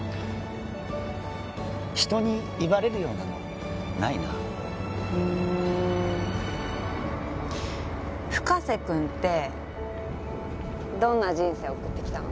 人に威張れるようなのはないな深瀬君ってどんな人生送ってきたの？